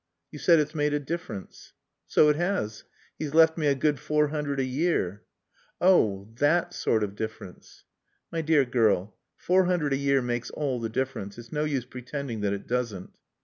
"You said it's made a difference." "So it has. He's left me a good four hundred a year." "Oh that sort of difference." "My dear girl, four hundred a year makes all the difference; it's no use pretending that it doesn't."